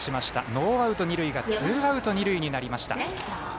ノーアウト、二塁がツーアウト、二塁になりました。